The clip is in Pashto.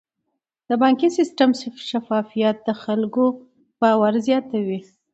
د بانکي سیستم شفافیت د خلکو باور زیاتوي.